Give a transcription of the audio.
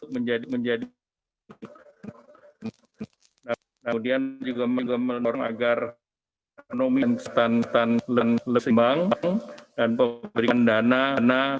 menjadi menjadi kemudian juga menolong agar nomor instan tanpa dan dan dana dana